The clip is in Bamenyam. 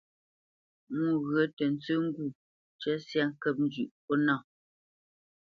Mwô ghyə̂ tə tsə́ ŋgû ncə́ syâ ŋkə́p njʉ̌ʼ ŋkwút nâ.